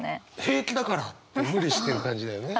平気だからって無理してる感じだよね。